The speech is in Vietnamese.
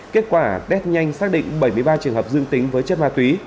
kết quả test nhanh xác định bảy mươi ba trường hợp dương tính với chất ma túy